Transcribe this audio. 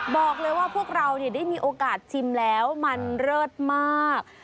บอกเลยว่าพวกเราได้มีโอกาสชิมแล้วมันเลิศมาก